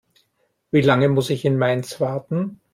Wie lange muss ich in Mainz warten?